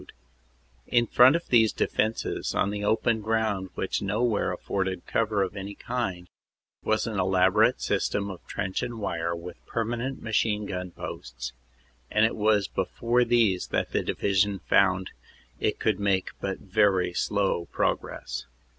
CONTINUED 165 In front of these defenses, on the open ground which no where afforded cover of any kind, was an elaborate system of trench and wire, with permanent machine gun posts, and it was before these that the Division found it could make but very slow progress.